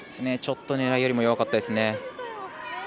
ちょっと狙いよりも弱かったですね。